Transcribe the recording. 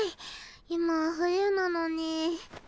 今は冬なのに。